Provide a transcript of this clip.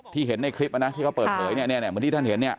ที่เห็นในคลิปนะที่เขาเปิดเผยเนี่ย